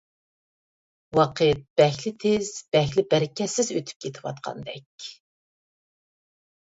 ۋاقىت بەكلا تېز، بەكلا بەرىكەتسىز ئۆتۈپ كېتىۋاتقاندەك.